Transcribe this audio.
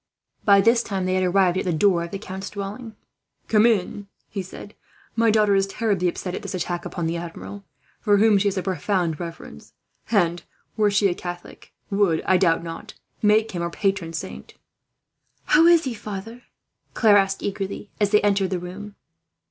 By this time, they had arrived at the door of the count's dwelling. "Come in, monsieur," he said. "My daughter is terribly upset at this attack upon the Admiral, for whom she has a profound reverence and, were she a Catholic, would, I doubt not, make him her patron saint." "How is he, father?" Claire asked eagerly, as they entered the room.